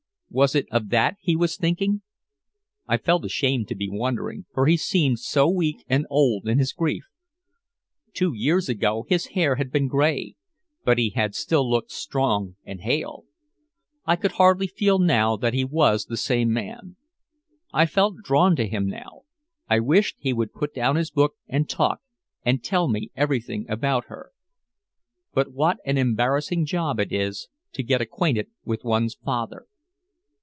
Was it of that he was thinking? I felt ashamed to be wondering, for he seemed so weak and old in his grief. Two years ago his hair had been gray, but he had still looked strong and hale. I could hardly feel now that he was the same man. I felt drawn to him now, I wished he would put down his book and talk and tell me everything about her. But what an embarrassing job it is to get acquainted with one's father.